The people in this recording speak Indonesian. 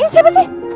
ini siapa sih